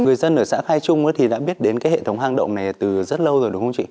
người dân ở xã khai trung thì đã biết đến cái hệ thống hang động này từ rất lâu rồi đúng không chị